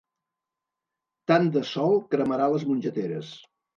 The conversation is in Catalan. Tant de sol cremarà les mongeteres.